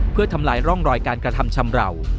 เพื่อทำลายร่องรอยการกระทำชำราว